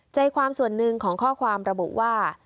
ใจความส่วนหนึ่งของข้อความระบุว่า